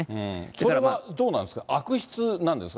それはどうなんですか、悪質なんですか？